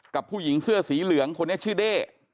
กับผู้หญิงเสื้อสีเหลืองคนนี้ชื่อเด้